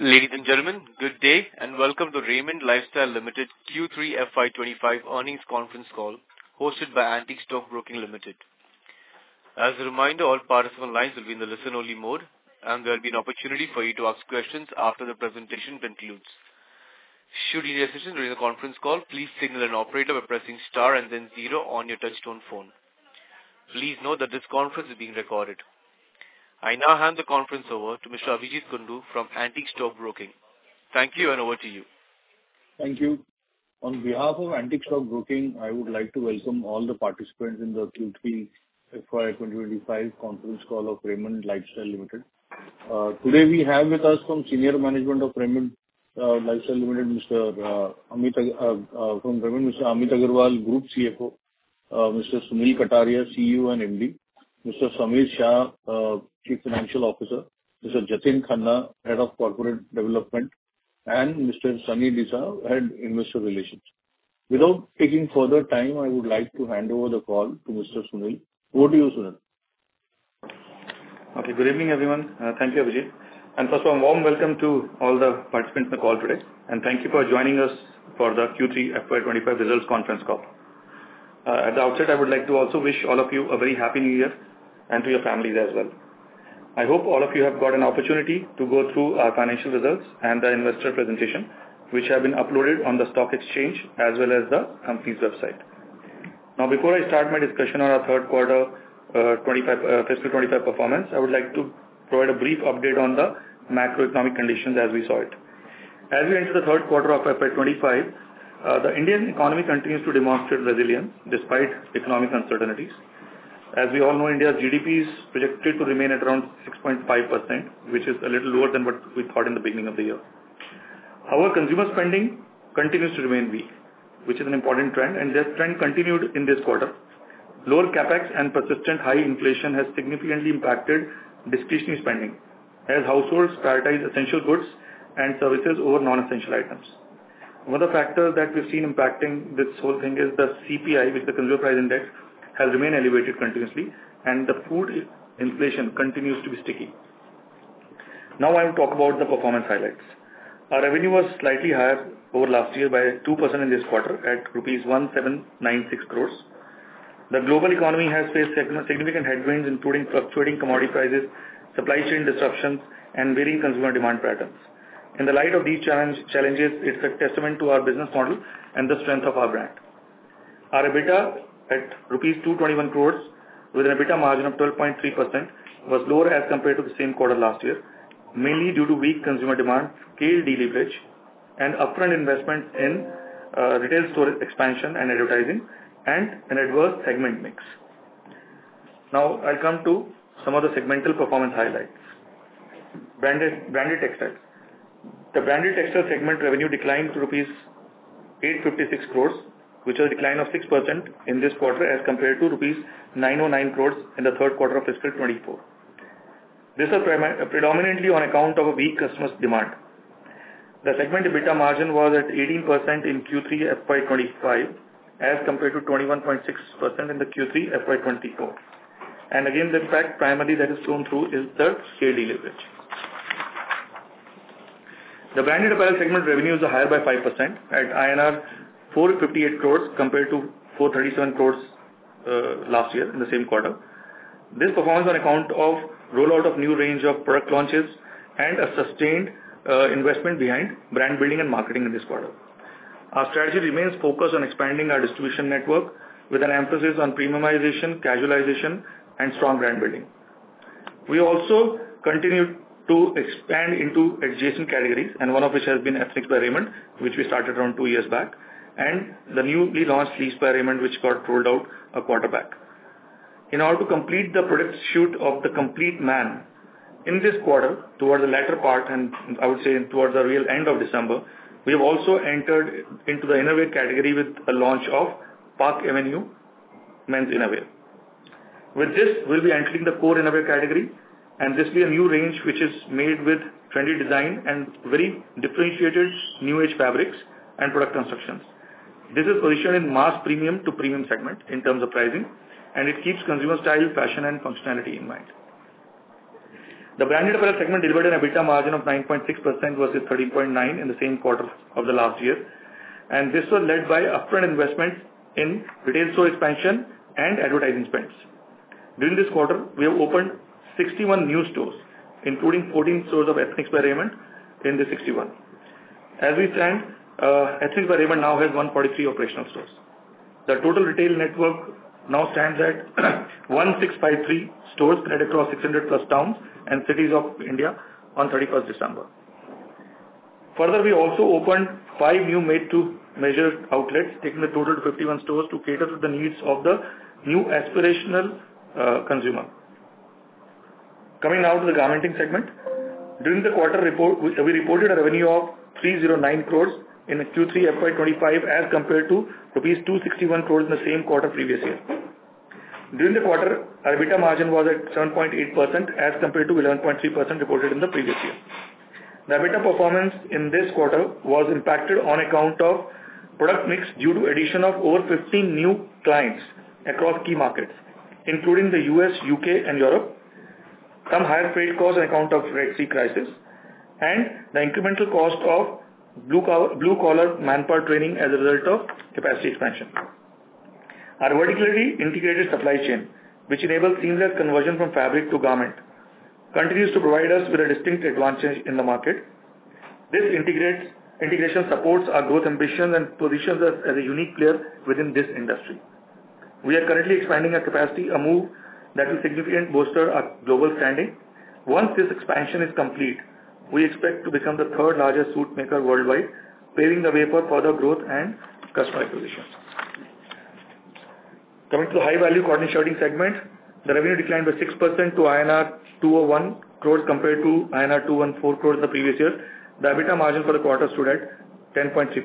Ladies and gentlemen, good day and welcome to Raymond Lifestyle Limited Q3 FY2025 Earnings Conference Call hosted by Antique Stock Broking Limited. As a reminder, all participant lines will be in the listen-only mode, and there will be an opportunity for you to ask questions after the presentation concludes. Should you need assistance during the conference call, please signal an operator by pressing star and then zero on your touch-tone phone. Please note that this conference is being recorded. I now hand the conference over to Mr. Abhijeet Kundu from Antique Stock Broking. Thank you, and over to you. Thank you. On behalf of Antique Stock Broking, I would like to welcome all the participants in the Q3 FY 2025 conference call of Raymond Lifestyle Limited. Today, we have with us from senior management of Raymond Lifestyle Limited, Mr. Amit Agarwal, Group CFO, Mr. Sunil Kataria, CEO and MD, Mr. Sameer Shah, Chief Financial Officer, Mr. Jatin Khanna, Head of Corporate Development, and Mr. Sunny Disa, Head of Investor Relations. Without taking further time, I would like to hand over the call to Mr. Sunil. Over to you, Sunil. Okay, good evening, everyone. Thank you, Abhijeet. And first of all, warm welcome to all the participants in the call today, and thank you for joining us for the Q3 FY 2025 results conference call. At the outset, I would like to also wish all of you a very Happy New Year and to your families as well. I hope all of you have got an opportunity to go through our financial results and the investor presentation, which have been uploaded on the stock exchange as well as the company's website. Now, before I start my discussion on our third quarter Fiscal 2025 performance, I would like to provide a brief update on the macroeconomic conditions as we saw it. As we enter the third quarter of FY 2025, the Indian economy continues to demonstrate resilience despite economic uncertainties. As we all know, India's GDP is projected to remain at around 6.5%, which is a little lower than what we thought in the beginning of the year. Our consumer spending continues to remain weak, which is an important trend, and this trend continued in this quarter. Lower CapEx and persistent high inflation have significantly impacted discretionary spending, as households prioritize essential goods and services over non-essential items. One of the factors that we've seen impacting this whole thing is the CPI, which is the Consumer Price Index has remained elevated continuously, and the food inflation continues to be sticky. Now, I will talk about the performance highlights. Our revenue was slightly higher over last year by 2% in this quarter at rupees 1,796 crores. The global economy has faced significant headwinds, including fluctuating commodity prices, supply chain disruptions, and varying consumer demand patterns. In the light of these challenges, it's a testament to our business model and the strength of our brand. Our EBITDA at 221 crores rupees, with an EBITDA margin of 12.3%, was lower as compared to the same quarter last year, mainly due to weak consumer demand, scale deleverage, and upfront investments in retail store expansion and advertising, and an adverse segment mix. Now, I'll come to some of the segmental performance highlights. Branded Textiles. The branded textile segment revenue declined to rupees 856 crores, which is a decline of 6% in this quarter as compared to rupees 909 crores in the third quarter of FY 2024. This is predominantly on account of weak customer demand. The segment EBITDA margin was at 18% in Q3 FY 2025 as compared to 21.6% in the Q3 FY 2024, and again, the impact primarily that is shown through is the scale deleverage. The branded apparel segment revenue is higher by 5% at INR 458 crores compared to 437 crores last year in the same quarter. This performance is on account of rollout of new range of product launches and a sustained investment behind brand building and marketing in this quarter. Our strategy remains focused on expanding our distribution network with an emphasis on premiumization, casualization, and strong brand building. We also continue to expand into adjacent categories, and one of which has been ethnic wear segment, which we started around two years back, and the newly launched leisure wear segment, which got rolled out a quarter back. In order to complete the product suite for the complete man in this quarter towards the latter part, and I would say towards the tail end of December, we have also entered into the innerwear category with a launch of Park Avenue Men's Innerwear. With this, we'll be entering the core innerwear category, and this will be a new range which is made with trendy design and very differentiated new age fabrics and product constructions. This is positioned in mass premium to premium segment in terms of pricing, and it keeps consumer style, fashion, and functionality in mind. The branded apparel segment delivered an EBITDA margin of 9.6% versus 13.9% in the same quarter of the last year, and this was led by upfront investment in retail store expansion and advertising spends. During this quarter, we have opened 61 new stores, including 14 stores of ethnic wear in the 61. As we stand, ethnic wear now has 143 operational stores. The total retail network now stands at 1,653 stores spread across 600-plus towns and cities of India on 31st December. Further, we also opened five new made-to-measure outlets, taking a total of 51 stores to cater to the needs of the new aspirational consumer. Coming now to the garmenting segment, during the quarter report, we reported a revenue of 309 crores in Q3 FY25 as compared to rupees 261 crores in the same quarter previous year. During the quarter, our EBITDA margin was at 7.8% as compared to 11.3% reported in the previous year. The EBITDA performance in this quarter was impacted on account of product mix due to the addition of over 15 new clients across key markets, including the U.S., U.K., and Europe, some higher trade costs on account of the Red Sea crisis, and the incremental cost of blue-collar manpower training as a result of capacity expansion. Our vertically integrated supply chain, which enables seamless conversion from fabric to garment, continues to provide us with a distinct advantage in the market. This integration supports our growth ambitions and positions us as a unique player within this industry. We are currently expanding our capacity, a move that will significantly bolster our global standing. Once this expansion is complete, we expect to become the third largest suit maker worldwide, paving the way for further growth and customer acquisition. Coming to the high-value cotton shirting segment, the revenue declined by 6% to INR 201 crores compared to INR 214 crores the previous year. The EBITDA margin for the quarter stood at 10.3%.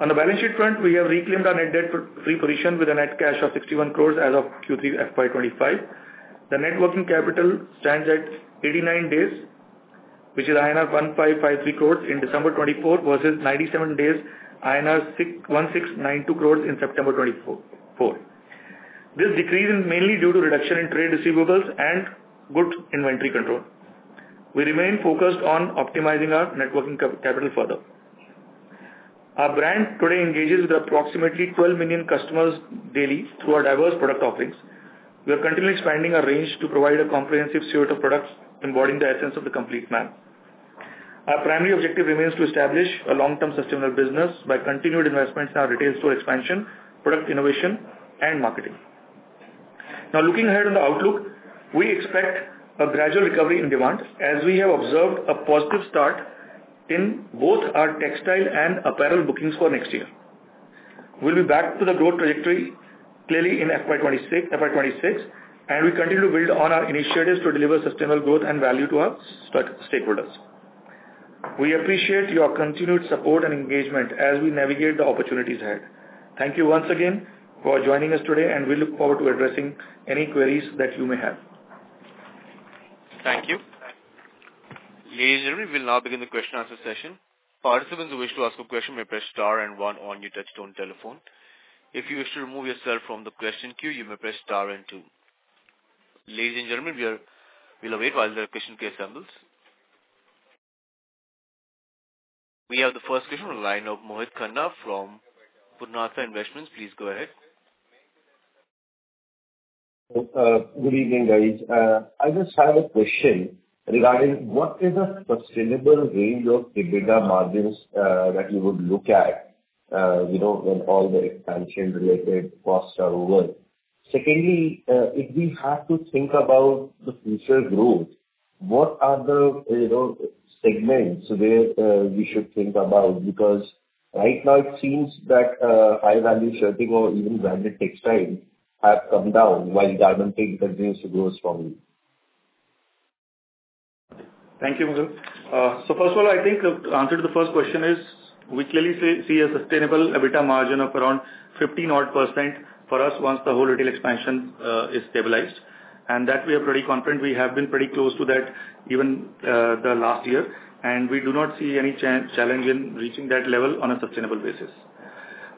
On the balance sheet front, we have reclaimed our net debt-free position with a net cash of 61 crores as of Q3 FY 2025. The Net Working Capital stands at 89 days, which is INR 1,553 crores in December 2024 versus 97 days, INR 1,692 crores in September 2024. This decrease is mainly due to reduction in trade receivables and good inventory control. We remain focused on optimizing our working capital further. Our brand today engages with approximately 12 million customers daily through our diverse product offerings. We are continually expanding our range to provide a comprehensive suite of products embodying the essence of the complete man. Our primary objective remains to establish a long-term sustainable business by continued investments in our retail store expansion, product innovation, and marketing. Now, looking ahead on the outlook, we expect a gradual recovery in demand as we have observed a positive start in both our textile and apparel bookings for next year. We'll be back to the growth trajectory clearly in FY 2026, and we continue to build on our initiatives to deliver sustainable growth and value to our stakeholders. We appreciate your continued support and engagement as we navigate the opportunities ahead. Thank you once again for joining us today, and we look forward to addressing any queries that you may have. Thank you. Ladies and gentlemen, we will now begin the question-answer session. Participants who wish to ask a question may press star and one on your touch-tone telephone. If you wish to remove yourself from the question queue, you may press star and two. Ladies and gentlemen, we'll await while the question queue assembles. We have the first question from the line of Mohit Khanna from Purnartha Investments. Please go ahead. Good evening, guys. I just have a question regarding what is a sustainable range of EBITDA margins that you would look at when all the expansion-related costs are over. Secondly, if we have to think about the future growth, what are the segments where we should think about? Because right now, it seems that high-value shirting or even branded textiles have come down while garmenting continues to grow strongly. Thank you, Mahul. So first of all, I think the answer to the first question is we clearly see a sustainable EBITDA margin of around 15-odd percent for us once the whole retail expansion is stabilized, and that we are pretty confident. We have been pretty close to that even the last year, and we do not see any challenge in reaching that level on a sustainable basis.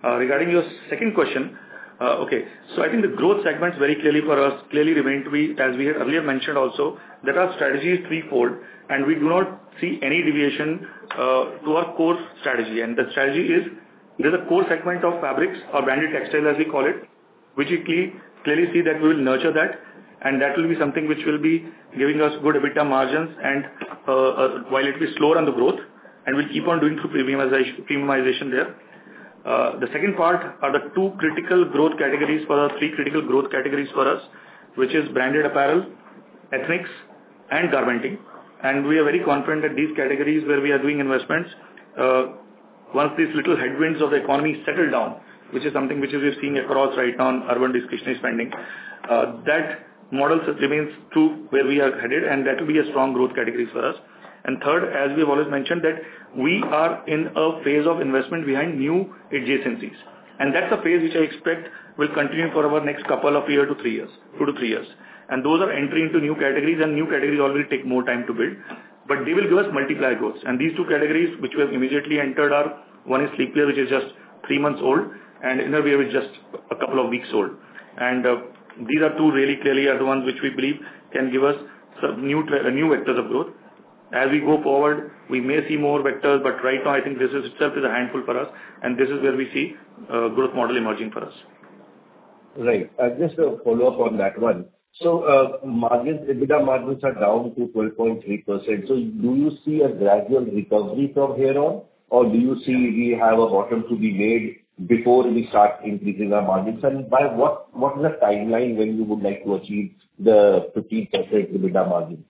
Regarding your second question, okay, so I think the growth segments very clearly for us clearly remain to be, as we had earlier mentioned also, that our strategy is threefold, and we do not see any deviation to our core strategy. And the strategy is there's a core segment of fabrics or branded textiles, as we call it, which we clearly see that we will nurture that, and that will be something which will be giving us good EBITDA margins while it will be slower on the growth, and we'll keep on doing through premiumization there. The second part are the two critical growth categories for the three critical growth categories for us, which are branded apparel, ethnics, and garmenting. And we are very confident that these categories where we are doing investments, once these little headwinds of the economy settle down, which is something which we've seen across right now in urban discretionary spending, that model remains true where we are headed, and that will be a strong growth category for us. And third, as we've always mentioned, that we are in a phase of investment behind new adjacencies. And that's a phase which I expect will continue for our next couple of years to three years, two to three years. And those are entering into new categories, and new categories already take more time to build, but they will give us multiplier growth. And these two categories which we have immediately entered are one is sleepwear, which is just three months old, and innerwear is just a couple of weeks old. And these are two really clearly are the ones which we believe can give us new vectors of growth. As we go forward, we may see more vectors, but right now, I think this itself is a handful for us, and this is where we see a growth model emerging for us. Right. Just a follow-up on that one. So EBITDA margins are down to 12.3%. So do you see a gradual recovery from here on, or do you see we have a bottom to be made before we start increasing our margins? And by what is the timeline when you would like to achieve the 15% EBITDA margins?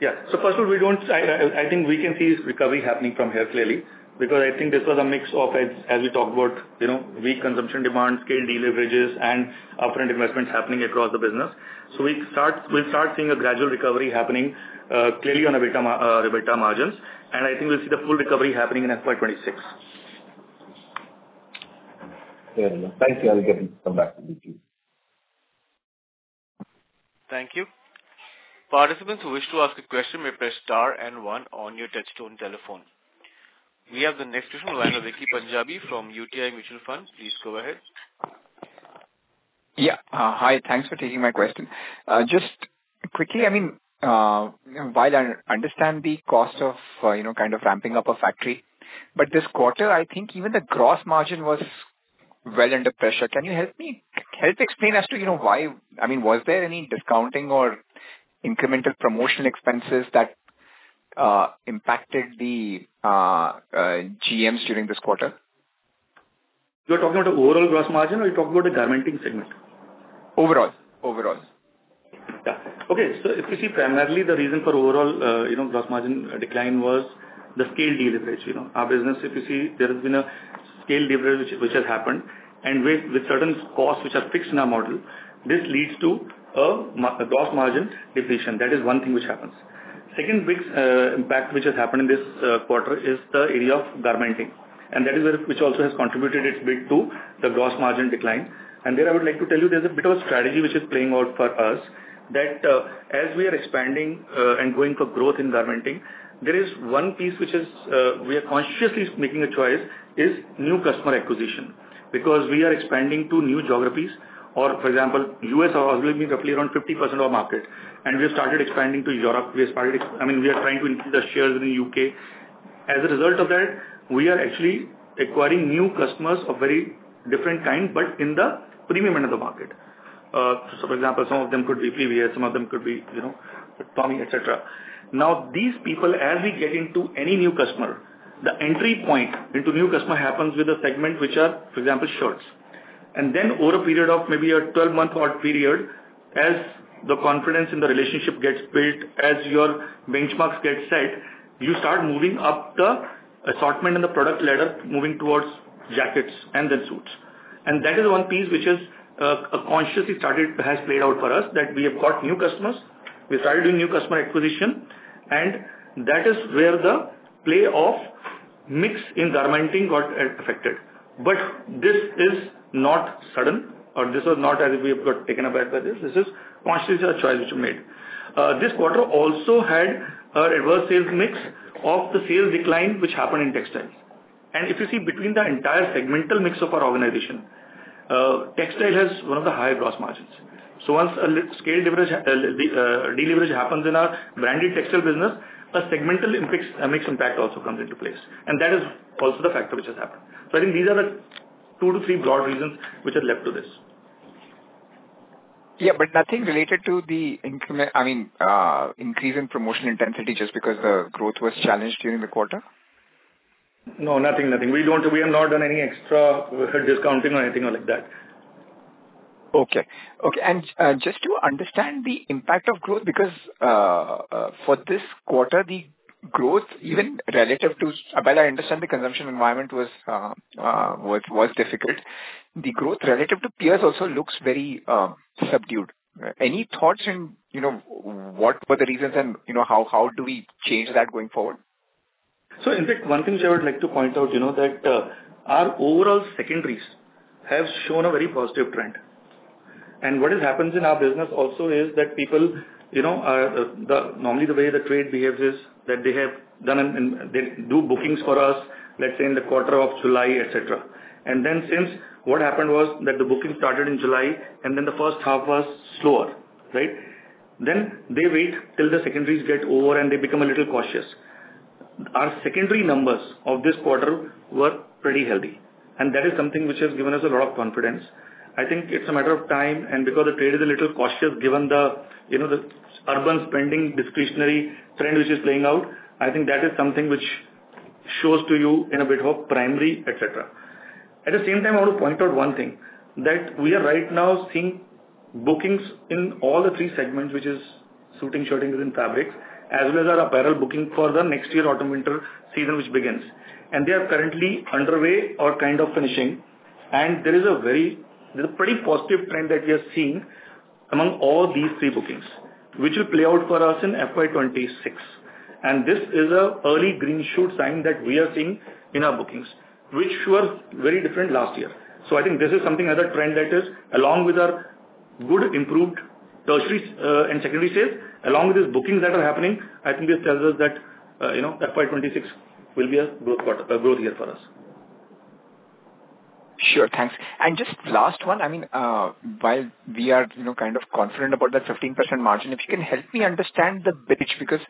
Yeah. So first of all, I think we can see recovery happening from here clearly because I think this was a mix of, as we talked about, weak consumption demand, scale deleverages, and upfront investments happening across the business. So we'll start seeing a gradual recovery happening clearly on EBITDA margins, and I think we'll see the full recovery happening in FY 2026. Thank you. I'll get back to you. Thank you. Participants who wish to ask a question may press star and one on your touch-tone telephone. We have the next question from Vicky Punjabi from UTI Mutual Fund. Please go ahead. Yeah. Hi. Thanks for taking my question. Just quickly, I mean, while I understand the cost of kind of ramping up a factory, but this quarter, I mean, even the gross margin was well under pressure. Can you help me help explain as to why, I mean, was there any discounting or incremental promotional expenses that impacted the GMs during this quarter? You're talking about the overall gross margin or you're talking about the garmenting segment? Overall. Overall. Yeah. Okay. So if you see, primarily the reason for overall gross margin decline was the scale deleverage. Our business, if you see, there has been a scale deleverage which has happened, and with certain costs which are fixed in our model, this leads to a gross margin depletion. That is one thing which happens. Second big impact which has happened in this quarter is the area of garmenting, and that which also has contributed its bit to the gross margin decline. There I would like to tell you there's a bit of a strategy which is playing out for us that as we are expanding and going for growth in garmenting, there is one piece which we are consciously making a choice is new customer acquisition because we are expanding to new geographies or, for example, the U.S. will be roughly around 50% of our market, and we have started expanding to Europe. We have started, I mean, we are trying to increase our shares in the U.K. As a result of that, we are actually acquiring new customers of very different kind, but in the premium end of the market. So, for example, some of them could be Olive, some of them could be Tommy, etc. Now, these people, as we get into any new customer, the entry point into new customer happens with the segment which are, for example, shirts, and then over a period of maybe a 12-month-odd period, as the confidence in the relationship gets built, as your benchmarks get set, you start moving up the assortment in the product ladder, moving towards jackets and then suits, and that is one piece which has consciously started, has played out for us that we have got new customers. We started doing new customer acquisition, and that is where the product mix in garmenting got affected, but this is not sudden, or this was not as if we have got taken aback by this. This is consciously a choice which we made. This quarter also had an adverse sales mix of the sales decline which happened in textiles. And if you see, between the entire segmental mix of our organization, textile has one of the higher gross margins. So once a scale deleverage happens in our branded textile business, a segmental mix impact also comes into place. And that is also the factor which has happened. So I think these are the two to three broad reasons which are left to this. Yeah, but nothing related to the, I mean, increase in promotional intensity just because the growth was challenged during the quarter? No, nothing. Nothing. We have not done any extra discounting or anything like that. Okay. Okay. And just to understand the impact of growth, because for this quarter, the growth, even relative to, while I understand the consumption environment was difficult, the growth relative to peers also looks very subdued. Any thoughts in what were the reasons and how do we change that going forward? So in fact, one thing which I would like to point out, you know that our overall secondaries have shown a very positive trend. And what has happened in our business also is that people, normally the way the trade behaves is that they have done and they do bookings for us, let's say in the quarter of July, etc. And then since what happened was that the booking started in July and then the first half was slower, right? Then they wait until the secondaries get over and they become a little cautious. Our secondary numbers of this quarter were pretty healthy, and that is something which has given us a lot of confidence. I think it's a matter of time, and because the trade is a little cautious given the urban spending discretionary trend which is playing out, I think that is something which shows to you in a bit of primary, etc. At the same time, I want to point out one thing that we are right now seeing bookings in all the three segments, which is suiting, shirting, and fabrics, as well as our apparel booking for the next year autumn-winter season which begins. And they are currently underway or kind of finishing, and there is a very pretty positive trend that we are seeing among all these three bookings, which will play out for us in FY 2026. And this is an early green shoot sign that we are seeing in our bookings, which were very different last year. So I think this is something as a trend that is along with our good improved tertiary and secondary sales, along with these bookings that are happening. I think this tells us that FY 2026 will be a growth year for us. Sure. Thanks. And just last one, I mean, while we are kind of confident about that 15% margin, if you can help me understand the bridge, because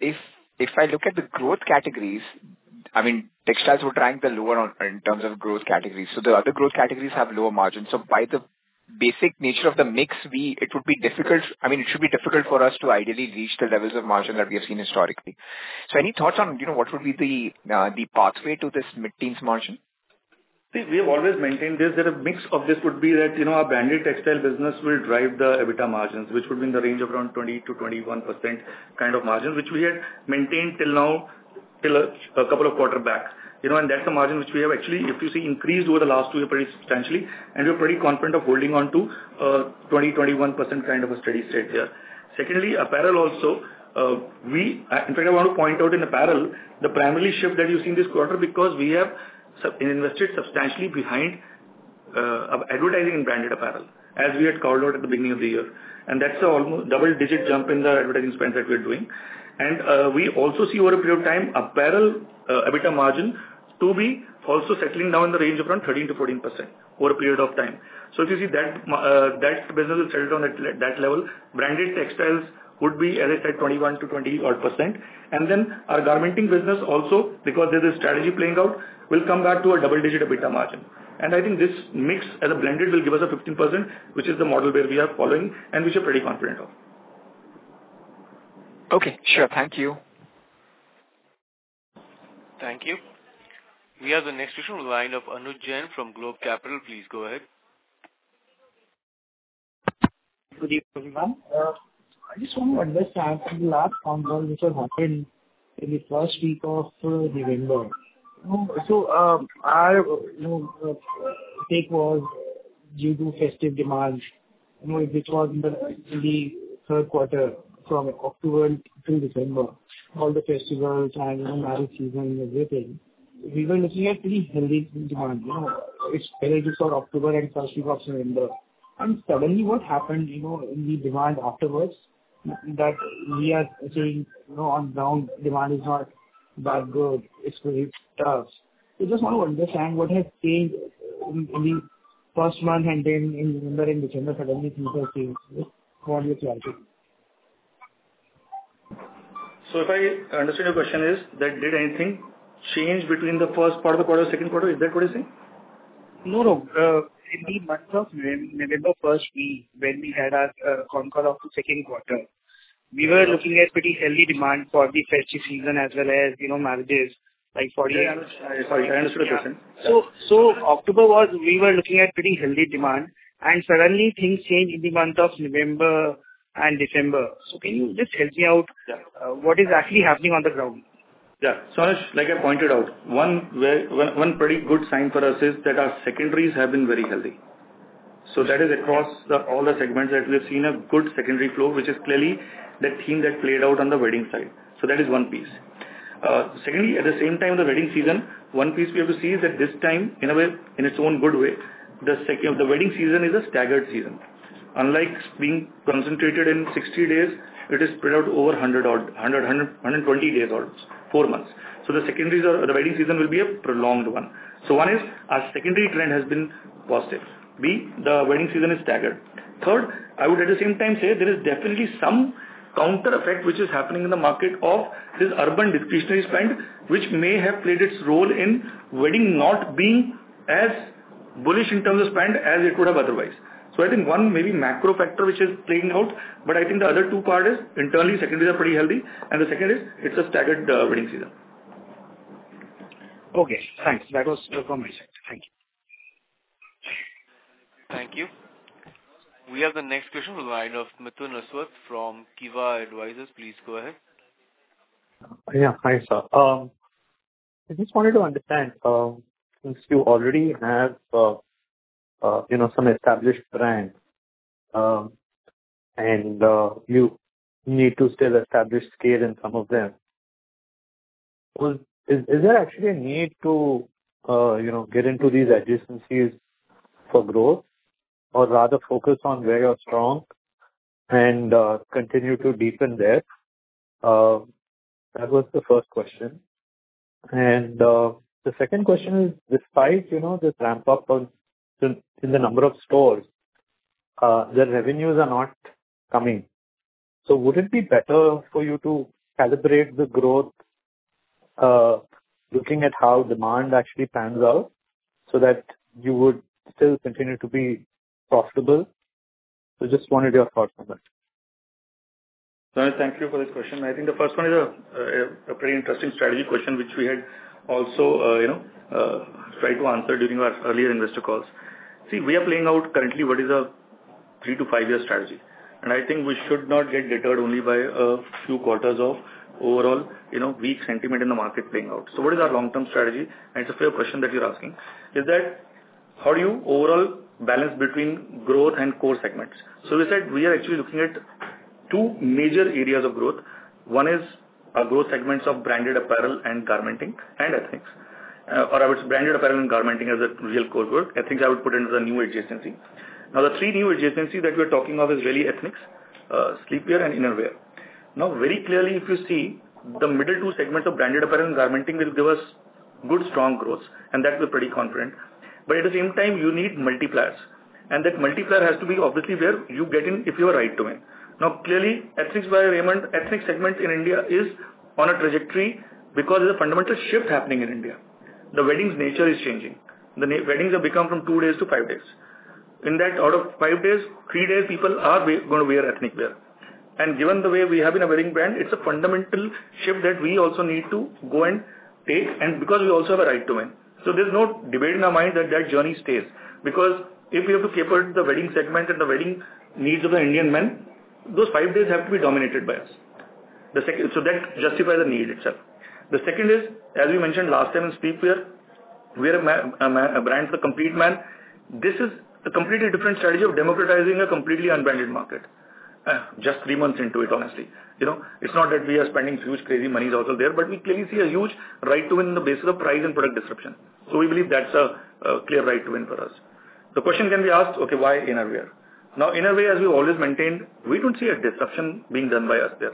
if I look at the growth categories, I mean, textiles were ranked the lower in terms of growth categories. So the other growth categories have lower margins. So by the basic nature of the mix, it would be difficult, I mean, it should be difficult for us to ideally reach the levels of margin that we have seen historically. So any thoughts on what would be the pathway to this mid-teens margin? We have always maintained this. There is a mix of this would be that our branded textile business will drive the EBITDA margins, which would be in the range of around 20% to 21% kind of margins, which we had maintained until now, till a couple of quarters back, and that's the margin which we have actually, if you see, increased over the last two years pretty substantially, and we're pretty confident of holding on to 20%-21% kind of a steady state there. Secondly, apparel also, in fact, I want to point out in apparel, the primary shift that you've seen this quarter because we have invested substantially behind advertising in branded apparel, as we had called out at the beginning of the year, and that's an almost double-digit jump in the advertising spend that we're doing. And we also see over a period of time, apparel EBITDA margin to be also settling down in the range of around 13%to 14% over a period of time. So if you see that business is settled on that level, branded textiles would be, as I said 21% to 20 odd percent. And then our garmenting business also, because there's a strategy playing out, will come back to a double-digit EBITDA margin. And I think this mix, as a blended, will give us a 15%, which is the model where we are following and which we are pretty confident of. Okay. Sure. Thank you. Thank you. We have the next question from the line of Anuj Jain from Globe Capital. Please go ahead. Good evening. I just want to understand from the last conference, which was held in the first week of November. So, our take was due to festive demands, which was in the third quarter from October to December, all the festival time, marriage season, everything. We were looking at pretty heavy demand. It's early for October and first week of November, and suddenly what happened in the demand afterwards that we are saying on ground demand is not that good, it's pretty tough. We just want to understand what has changed in the first month and then in November and December, suddenly things have changed. What are your thoughts? So if I understood your question is that did anything change between the first part of the quarter or second quarter? Is that what you're saying? No, no. In the month of November 1st, when we had our concall of the second quarter, we were looking at pretty heavy demand for the festive season as well as marriages. Sorry, I understood the question. So October was we were looking at pretty heavy demand, and suddenly things changed in the month of November and December. So can you just help me out what is actually happening on the ground? Yeah. So Anuj, like I pointed out, one pretty good sign for us is that our secondaries have been very healthy. So that is across all the segments that we have seen a good secondary flow, which is clearly the theme that played out on the wedding side. So that is one piece. Secondly, at the same time, the wedding season, one piece we have to see is that this time, in a way, in its own good way, the wedding season is a staggered season. Unlike being concentrated in 60 days, it is spread out over 100 days, 120 days or four months. So the secondaries or the wedding season will be a prolonged one. So one is our secondary trend has been positive. B, the wedding season is staggered. Third, I would at the same time say there is definitely some counter effect which is happening in the market of this urban discretionary spend, which may have played its role in wedding not being as bullish in terms of spend as it would have otherwise. So I think one maybe macro factor which is playing out, but I think the other two part is internally, secondaries are pretty healthy, and the second is it's a staggered wedding season. Okay. Thanks. That was from my side. Thank you. Thank you. We have the next question from the line of Mithun Aswath from Kiva Advisors. Please go ahead. Yeah. Hi, sir. I just wanted to understand since you already have some established brands and you need to still establish scale in some of them, is there actually a need to get into these adjacencies for growth or rather focus on where you're strong and continue to deepen there? That was the first question. And the second question is, despite this ramp-up in the number of stores, the revenues are not coming. So would it be better for you to calibrate the growth looking at how demand actually pans out so that you would still continue to be profitable? So just wanted your thoughts on that. Thank you for this question. I think the first one is a pretty interesting strategy question which we had also tried to answer during our earlier investor calls. See, we are playing out currently what is a three to five-year strategy. And I think we should not get deterred only by a few quarters of overall weak sentiment in the market playing out. So what is our long-term strategy? And it's a fair question that you're asking. Is that how do you overall balance between growth and core segments? So we said we are actually looking at two major areas of growth. One is our growth segments of branded apparel and garmenting and Ethnix. Or I would say branded apparel and garmenting as a real core work. Ethnix I would put in as a new adjacency. Now, the three new adjacencies that we are talking of is really ethnics, sleepwear, and innerwear. Now, very clearly, if you see, the middle two segments of branded apparel and garmenting will give us good, strong growth, and that we're pretty confident. But at the same time, you need multipliers. And that multiplier has to be obviously where you get in if you are right to win. Now, clearly, Ethnix by Raymond, ethnic segments in India is on a trajectory because there's a fundamental shift happening in India. The wedding's nature is changing. The weddings have become from two days to five days. In that, out of five days, three days, people are going to wear ethnic wear. And given the way we have in a wedding brand, it's a fundamental shift that we also need to go and take, and because we also have a right to win. So there's no debate in our mind that that journey stays. Because if we have to cater to the wedding segment and the wedding needs of the Indian men, those five days have to be dominated by us. So that justifies the need itself. The second is, as we mentioned last time in sleepwear, we are a brand for complete man. This is a completely different strategy of democratizing a completely unbranded market. Just three months into it, honestly. It's not that we are spending huge crazy monies also there, but we clearly see a huge right to win on the basis of price and product description. So we believe that's a clear right to win for us. The question can be asked, okay, why innerwear? Now, innerwear, as we've always maintained, we don't see a disruption being done by us there.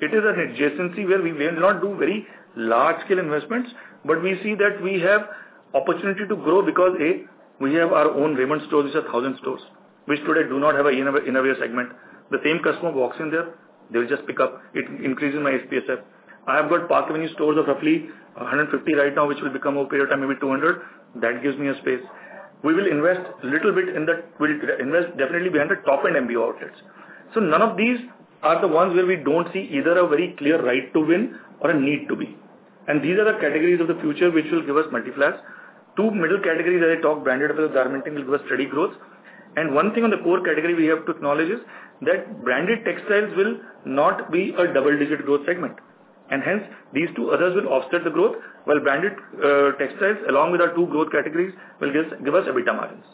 It is an adjacency where we will not do very large-scale investments, but we see that we have opportunity to grow because we have our own Raymond stores, which are 1,000 stores, which today do not have an innerwear segment. The same customer walks in there, they will just pick up. It increases my SPSF. I have got Park Avenue stores of roughly 150 right now, which will become over a period of time maybe 200. That gives me a space. We will invest a little bit in that. We'll invest definitely behind the top-end MBO outlets. So none of these are the ones where we don't see either a very clear right to win or a need to be. And these are the categories of the future which will give us multipliers. Two middle categories that I talked, branded apparel and garmenting, will give us steady growth. One thing on the core category we have to acknowledge is that branded textiles will not be a double-digit growth segment. Hence, these two others will offset the growth, while branded textiles, along with our two growth categories, will give us EBITDA margins.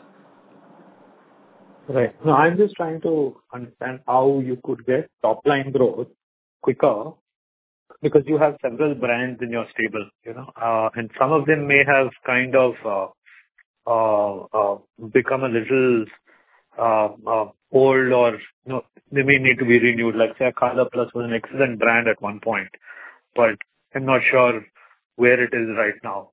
Right. Now, I'm just trying to understand how you could get top-line growth quicker because you have several brands in your stable, and some of them may have kind of become a little old or they may need to be renewed. Like say, ColorPlus was an excellent brand at one point, but I'm not sure where it is right now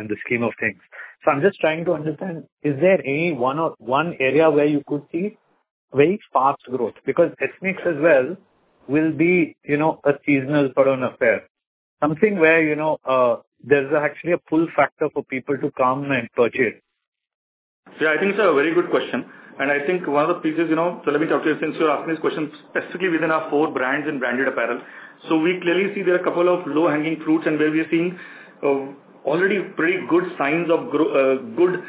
in the scheme of things, so I'm just trying to understand, is there any one area where you could see very fast growth? Because ethnics as well will be a seasonal sort of affair. Something where there's actually a pull factor for people to come and purchase. Yeah, I think it's a very good question, and I think one of the pieces, so let me talk to you since you're asking this question specifically within our four brands in branded apparel, so we clearly see there are a couple of low-hanging fruits and where we're seeing already pretty good signs of good,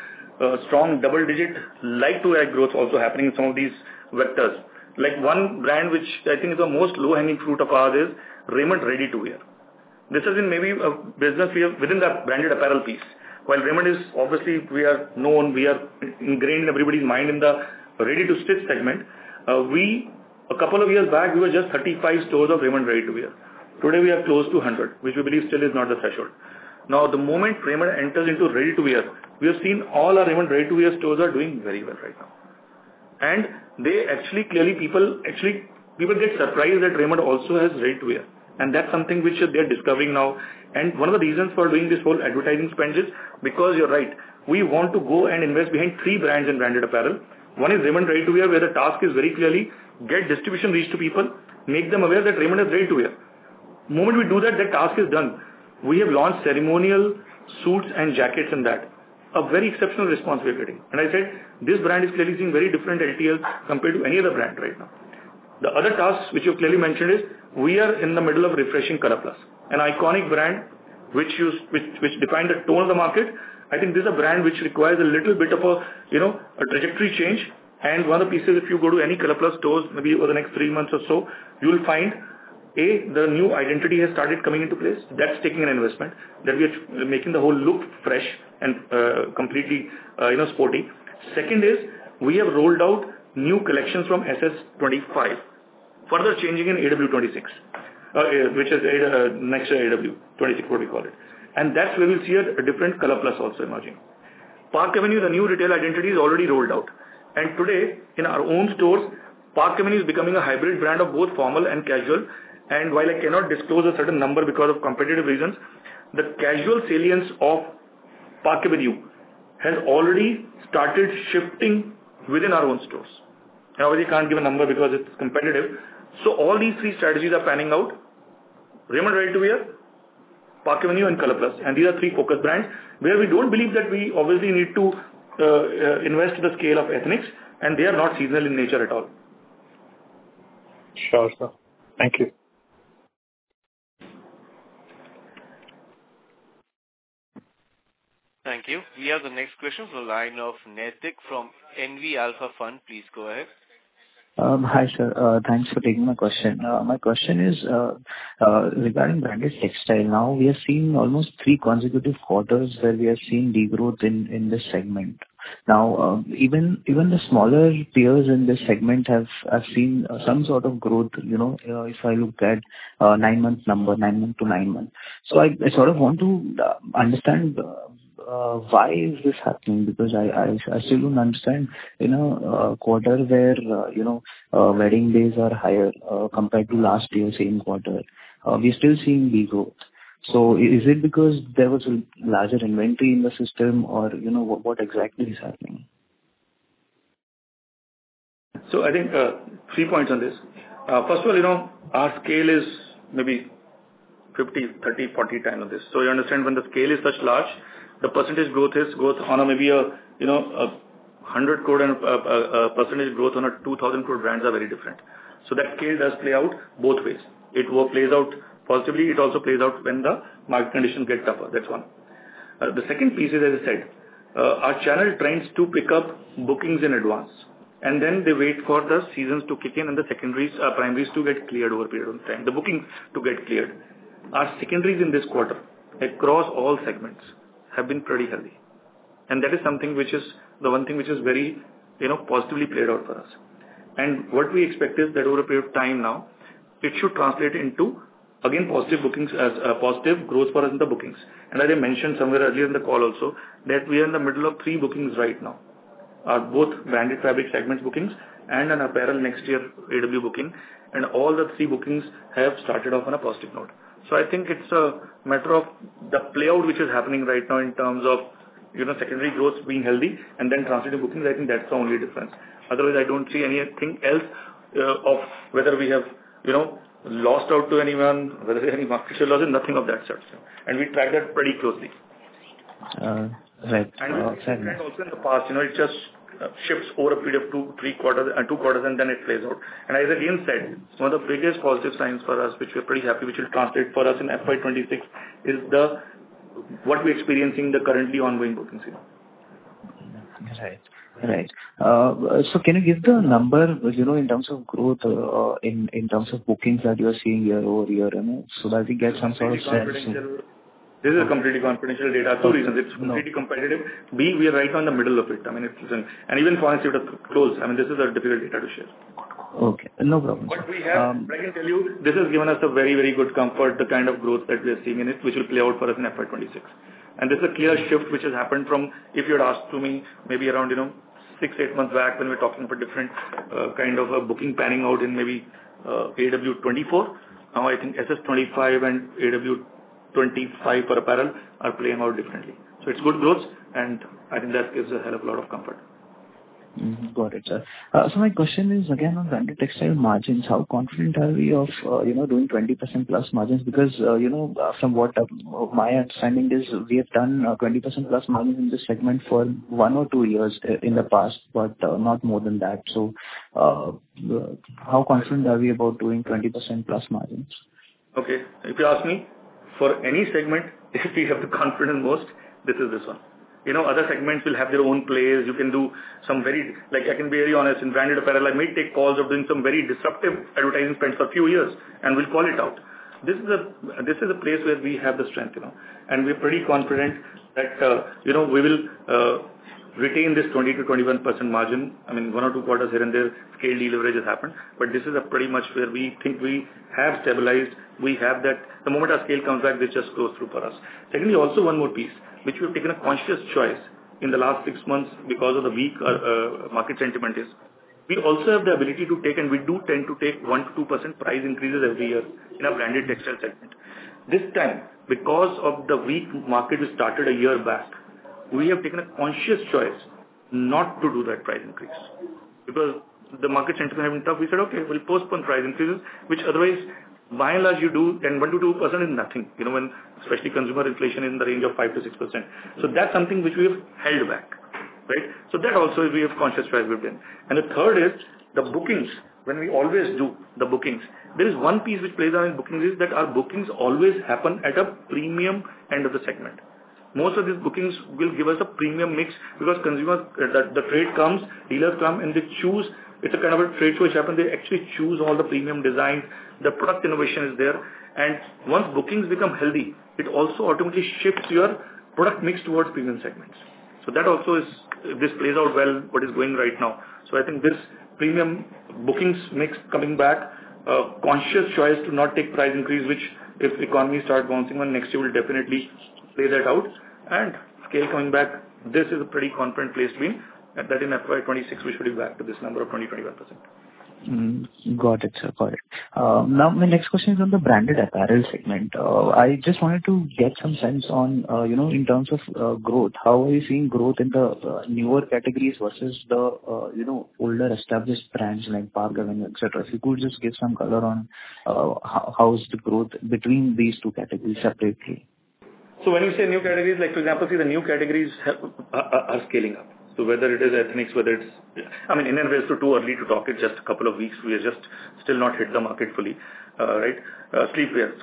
strong double-digit like-to-like growth also happening in some of these vectors. Like one brand which I think is the most low-hanging fruit of ours is Raymond Ready-to-Wear. This is in maybe a business within that branded apparel piece. While Raymond is obviously we are known, we are ingrained in everybody's mind in the ready-to-stitch segment. A couple of years back, we were just 35 stores of Raymond ready-to-wear. Today, we have close to 100, which we believe still is not the threshold. Now, the moment Raymond enters into ready-to-wear, we have seen all our Raymond Ready-to-Wear stores are doing very well right now. And they actually clearly people get surprised that Raymond also has ready-to-wear. And that's something which they're discovering now. And one of the reasons for doing this whole advertising spend is because you're right. We want to go and invest behind three brands in branded apparel. One is Raymond ready-to-wear, where the task is very clearly get distribution reached to people, make them aware that Raymond has ready-to-wear. The moment we do that, the task is done. We have launched ceremonial suits and jackets and that. A very exceptional response we are getting. And I said, this brand is clearly seeing very different LTL compared to any other brand right now. The other task which you've clearly mentioned is we are in the middle of refreshing ColorPlus, an iconic brand which defined the tone of the market. I think this is a brand which requires a little bit of a trajectory change. And one of the pieces, if you go to any ColorPlus stores maybe over the next three months or so, you'll find, A, the new identity has started coming into place. That's taking an investment that we are making the whole look fresh and completely sporty. Second is we have rolled out new collections from SS25, further changing in AW25, which is next to AW26, what we call it. And that's where we'll see a different ColorPlus also emerging. Park Avenue, the new retail identity is already rolled out. And today, in our own stores, Park Avenue is becoming a hybrid brand of both formal and casual. While I cannot disclose a certain number because of competitive reasons, the casual salience of Park Avenue has already started shifting within our own stores. Obviously, I can't give a number because it's competitive. All these three strategies are panning out: Raymond Ready-to-Wear, Park Avenue, and ColorPlus. These are three focus brands where we don't believe that we obviously need to invest the scale of ethnics, and they are not seasonal in nature at all. Sure, sir. Thank you. Thank you. We have the next question from the line of Naitik Mody from NV Alpha Capital Management. Please go ahead. Hi, sir. Thanks for taking my question. My question is regarding branded textile. Now, we have seen almost three consecutive quarters where we have seen degrowth in this segment. Now, even the smaller peers in this segment have seen some sort of growth if I look at nine-month number, nine-month to nine-month. So I sort of want to understand why is this happening because I still don't understand a quarter where wedding days are higher compared to last year's same quarter. We're still seeing degrowth. So is it because there was a larger inventory in the system or what exactly is happening? So I think three points on this. First of all, our scale is maybe 50, 30, 40 times on this. So you understand when the scale is such large, the percentage growth is growth on a maybe a 100 crore and a percentage growth on a 2,000 crore brands are very different. So that scale does play out both ways. It plays out positively. It also plays out when the market conditions get tougher. That's one. The second piece is, as I said, our channel tends to pick up bookings in advance. And then they wait for the seasons to kick in and the secondaries, primaries to get cleared over a period of time, the bookings to get cleared. Our secondaries in this quarter across all segments have been pretty healthy. And that is something which is the one thing which has very positively played out for us. And what we expect is that over a period of time now, it should translate into, again, positive bookings, positive growth for us in the bookings. And as I mentioned somewhere earlier in the call also, that we are in the middle of three bookings right now, both branded fabric segments bookings and an apparel next year AW booking. And all the three bookings have started off on a positive note. So I think it's a matter of the playout which is happening right now in terms of secondary growth being healthy and then transiting bookings. I think that's the only difference. Otherwise, I don't see anything else of whether we have lost out to anyone, whether any market share losses, nothing of that sort. And we track that pretty closely. Right. Also in the past, it just shifts over a period of two quarters and two quarters, and then it plays out. As I again said, one of the biggest positive signs for us, which we're pretty happy, which will translate for us in FY 2026, is what we're experiencing in the currently ongoing booking season. Right. Right. So can you give the number in terms of growth, in terms of bookings that you're seeing year-over-year? So that we get some sort of sense. This is completely confidential data. Two reasons. It's completely competitive. B, we are right in the middle of it. I mean, and even for us, if it's close, I mean, this is difficult data to share. Okay. No problem. But we have, I can tell you, this has given us a very, very good comfort, the kind of growth that we are seeing in it, which will play out for us in FY 2026. And there's a clear shift which has happened from, if you had asked me, maybe around six, eight months back when we were talking about different kind of booking panning out in maybe AW24. Now, I think SS25 and AW25 for apparel are playing out differently. So it's good growth, and I think that gives a lot of comfort. Got it, sir. So my question is, again, on branded textile margins, how confident are we of doing +20% margins? Because from what my understanding is, we have done +20% plus margins in this segment for one or two years in the past, but not more than that. So how confident are we about doing +20% margins? Okay. If you ask me for any segment, if we have the confidence most, this is this one. Other segments will have their own plays. You can do some very. I can be very honest. In branded apparel, I may take calls of doing some very disruptive advertising spend for a few years, and we'll call it out. This is a place where we have the strength, and we're pretty confident that we will retain this 20% to 21% margin. I mean, one or two quarters here and there, scale delivery has happened. But this is pretty much where we think we have stabilized. We have that. The moment our scale comes back, this just goes through for us. Secondly, also one more piece, which we've taken a conscious choice in the last six months because of the weak market sentiment is. We also have the ability to take, and we do tend to take 1% to 2% price increases every year in our branded textile segment. This time, because of the weak market we started a year back, we have taken a conscious choice not to do that price increase. Because the market sentiment has been tough, we said, "Okay, we'll postpone price increases," which otherwise, by and large, you do, and 1% to 2% is nothing, especially consumer inflation in the range of 5% to 6%. So that's something which we have held back. Right? So that also is we have conscious choice we've done. And the third is the bookings. When we always do the bookings, there is one piece which plays out in bookings is that our bookings always happen at a premium end of the segment. Most of these bookings will give us a premium mix because consumers, the trade comes, dealers come, and they choose. It's a kind of a trade show which happens. They actually choose all the premium designs. The product innovation is there. Once bookings become healthy, it also ultimately shifts your product mix towards premium segments. That also plays out well what is going right now. I think this premium bookings mix coming back, conscious choice to not take price increase, which if the economy starts bouncing one, next year will definitely play that out. Scale coming back, this is a pretty confident place to be in. That in FY 2026, we should be back to this number of 20% to 21%. Got it, sir. Got it. Now, my next question is on the branded apparel segment. I just wanted to get some sense on, in terms of growth, how are you seeing growth in the newer categories versus the older established brands like Park Avenue, etc.? If you could just give some color on how is the growth between these two categories separately? So when you say new categories, for example, see the new categories are scaling up. So whether it is ethnics, whether it's, I mean, innerwear, it's too early to talk. It's just a couple of weeks. We have just still not hit the market fully. Right?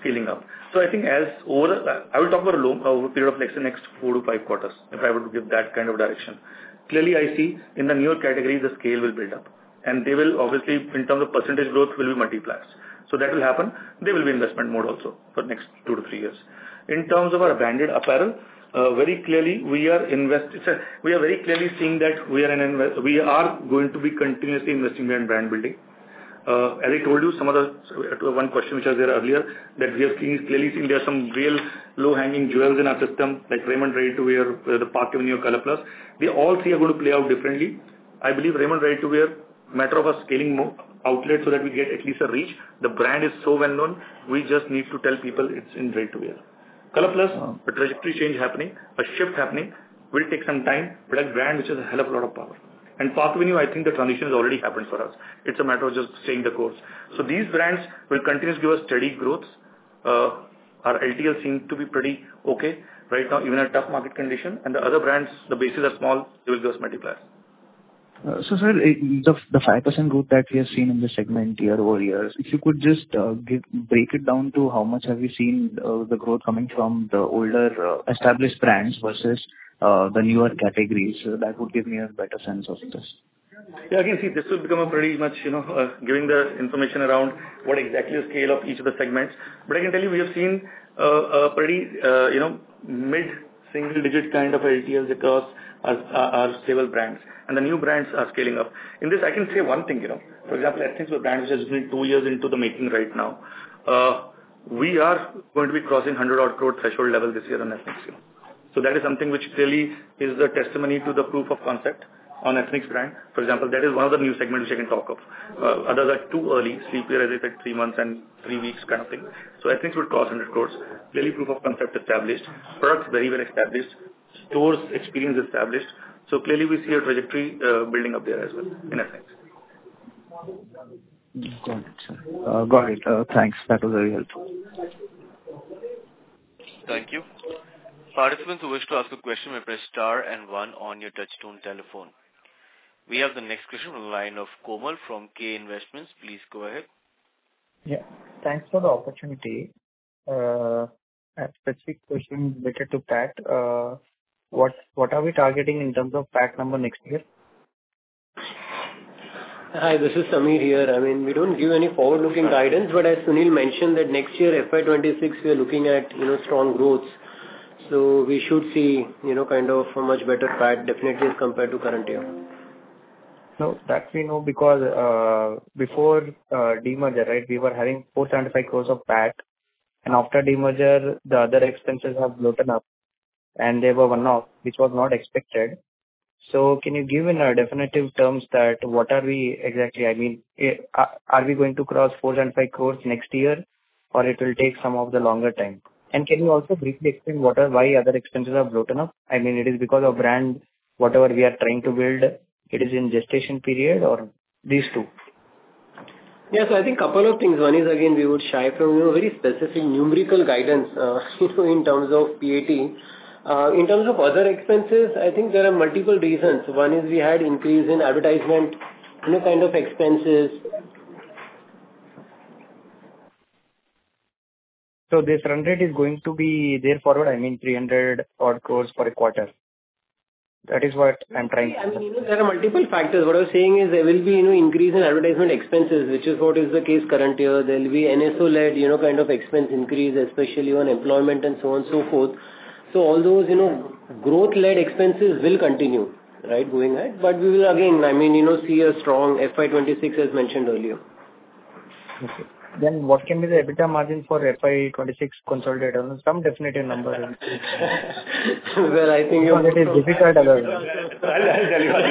Scaling up. So I think as over I will talk about a period of next four to five quarters if I were to give that kind of direction. Clearly, I see in the newer category, the scale will build up. And they will obviously, in terms of percentage growth, will be multiplied. So that will happen. There will be investment mode also for next two to three years. In terms of our branded apparel, very clearly, we are investing. We are very clearly seeing that we are going to be continuously investing in brand building. As I told you, some of the one question which I was there earlier, that we have clearly seen there are some real low-hanging jewels in our system, like Raymond Ready-to-Wear, the Park Avenue, ColorPlus. They all see are going to play out differently. I believe Raymond Ready-to-Wear, matter of us scaling outlet so that we get at least a reach. The brand is so well-known. We just need to tell people it's in ready-to-wear. ColorPlus, a trajectory change happening, a shift happening. We'll take some time, but that brand which has a hell of a lot of power, and Park Avenue, I think the transition has already happened for us. It's a matter of just staying the course, so these brands will continue to give us steady growth. Our LTL seemed to be pretty okay right now, even in a tough market condition. The other brands, the bases are small. They will give us multipliers. So sir, the 5% growth that we have seen in this segment year over year, if you could just break it down to how much have we seen the growth coming from the older established brands versus the newer categories, that would give me a better sense of this. Yeah. Again, see, this will become a pretty much giving the information around what exactly is the scale of each of the segments. But I can tell you, we have seen a pretty mid-single-digit kind of LTLs across our stable brands. And the new brands are scaling up. In this, I can say one thing. For example, Ethnix was a brand which is usually two years into the making right now. We are going to be crossing 100-odd crore threshold level this year on Ethnix. So that is something which clearly is the testament to the proof of concept on Ethnix brand. For example, that is one of the new segments which I can talk of. Others are too early, sleepwear, as I said, three months and three weeks kind of thing. So Ethnix would cross 100 crores. Clearly, proof of concept established. Products very well established. Stores experience established. So clearly, we see a trajectory building up there as well in Ethnix. Got it, sir. Got it. Thanks. That was very helpful. Thank you. Participants who wish to ask a question may press star and one on your touchscreen telephone. We have the next question from the line of Komal from K Investments. Please go ahead. Yeah. Thanks for the opportunity. A specific question related to PAT. What are we targeting in terms of PAT number next year? Hi, this is Sameer here. I mean, we don't give any forward-looking guidance, but as Sunil mentioned, that next year, FY 2026, we are looking at strong growth. So we should see kind of a much better PAT definitely as compared to current year. So that we know because before demerger, right, we were having 475 crores of PAT. And after demerger, the other expenses have blown up, and they were one-off, which was not expected. So can you give in our definitive terms that what are we exactly? I mean, are we going to cross 475 crores next year, or it will take some of the longer time? And can you also briefly explain why other expenses have blown up? I mean, it is because of brand, whatever we are trying to build, it is in gestation period or these two? Yes. I think a couple of things. One is, again, we would shy from very specific numerical guidance in terms of PAT. In terms of other expenses, I think there are multiple reasons. One is we had increase in advertisement, new kind of expenses. So this run rate is going to be there forward, I mean, 300-odd crores for a quarter. That is what I'm trying to say. Yeah. I mean, there are multiple factors. What I was saying is there will be an increase in advertisement expenses, which is what is the case current year. There will be NSO-led kind of expense increase, especially on employment and so on and so forth. So all those growth-led expenses will continue, right, going ahead. But we will, again, I mean, see a strong FY 2026 as mentioned earlier. Then what can be the EBITDA margin for FY 2026 consolidated? Some definitive number. I think you've got it. It's difficult. I'll tell you what.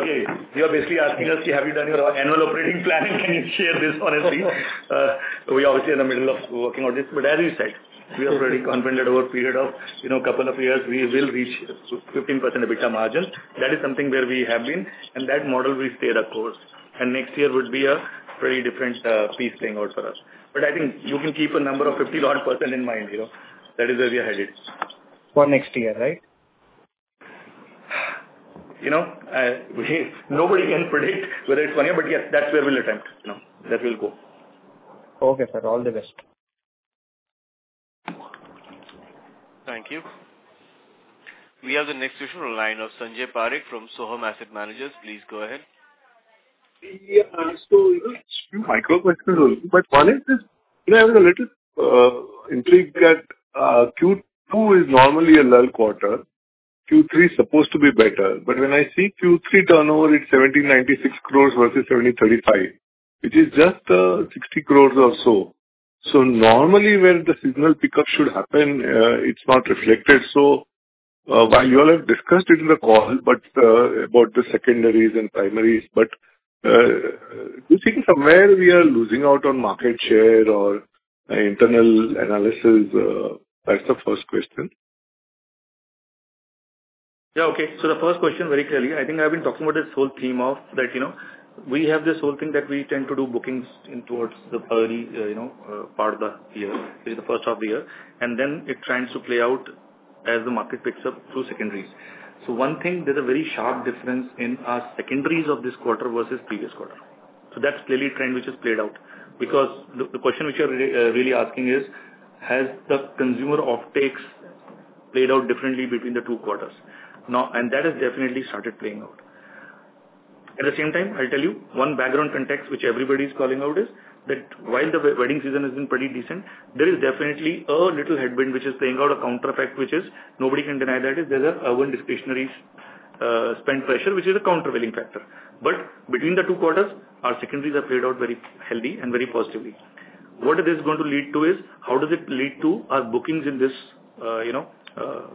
Okay. You are basically asking us, "Have you done your annual operating plan?" And can you share this honestly? We are obviously in the middle of working on this. But as you said, we are pretty confident over a period of a couple of years, we will reach 15% EBITDA margin. That is something where we have been. And that model, we stay the course. And next year would be a pretty different piece playing out for us. But I think you can keep a number of 50-odd percent in mind. That is where we are headed. For next year, right? Nobody can predict whether it's one year, but yes, that's where we'll attempt. That will go. Okay, sir. All the best. Thank you. We have the next question from the line of Sanjay Parekh from Sohum Asset Managers. Please go ahead. Yeah. So a few micro questions. But one is I have a little intrigue that Q2 is normally a lull quarter. Q3 is supposed to be better. But when I see Q3 turnover, it's 1,796 crores versus 1,735, which is just 60 crores or so. So normally, where the signal pickup should happen, it's not reflected. So while you all have discussed it in the call, but about the secondaries and primaries, but do you think somewhere we are losing out on market share or internal analysis? That's the first question. Yeah. Okay. So the first question, very clearly, I think I've been talking about this whole theme of that we have this whole thing that we tend to do bookings towards the early part of the year, the first half of the year. And then it trends to play out as the market picks up through secondaries. So one thing, there's a very sharp difference in our secondaries of this quarter versus previous quarter. So that's clearly a trend which has played out. Because the question which you're really asking is, has the consumer offtakes played out differently between the two quarters? And that has definitely started playing out. At the same time, I'll tell you one background context which everybody is calling out: is that while the wedding season has been pretty decent, there is definitely a little headwind which is playing out, a counter effect, which is nobody can deny, that there's an urban discretionary spend pressure, which is a countervailing factor. But between the two quarters, our secondaries have played out very healthy and very positively. What this is going to lead to is how does it lead to our bookings in this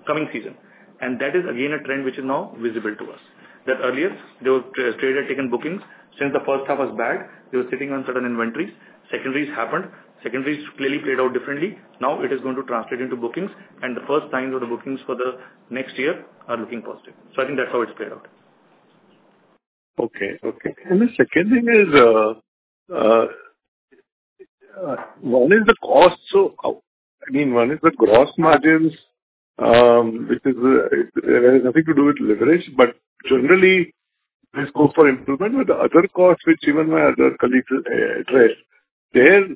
coming season? And that is, again, a trend which is now visible to us. That earlier, there were trade-taking bookings. Since the first half was bad, they were sitting on certain inventories. Secondaries happened. Secondaries clearly played out differently. Now it is going to translate into bookings. And the first signs of the bookings for the next year are looking positive. So I think that's how it's played out. Okay. Okay. And the second thing is, one is the cost. So I mean, one is the gross margins, which has nothing to do with leverage, but generally, let's go for improvement. But the other cost, which even my other colleagues address,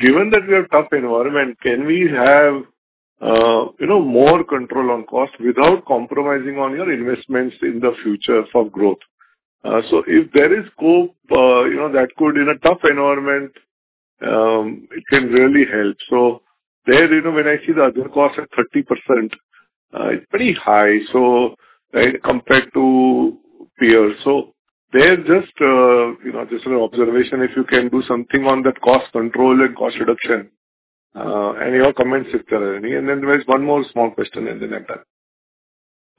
given that we have a tough environment, can we have more control on cost without compromising on your investments in the future for growth? So if there is hope, that could, in a tough environment, it can really help. So when I see the other cost at 30%, it's pretty high compared to peers. So there's just an observation, if you can do something on that cost control and cost reduction. Any other comments, Sunil? And then there's one more small question, and then I'm done.